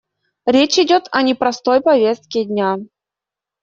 Речь идет о непростой повестке дня.